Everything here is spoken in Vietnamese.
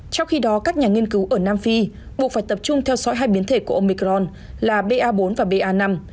trong khi đó các nhà nghiên cứu ở nam phi buộc phải tập trung theo dõi hai biến thể của omicron là ba bốn và ba năm